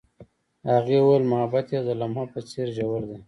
هغې وویل محبت یې د لمحه په څېر ژور دی.